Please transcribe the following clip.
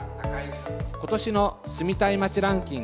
ことしの住みたい街ランキング